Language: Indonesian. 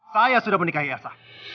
saya sudah menikahi esa